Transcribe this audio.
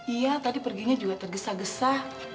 iya tadi perginya juga tergesa gesa